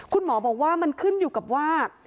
คุณหมอบอกว่ามันขึ้นอยู่กับว่า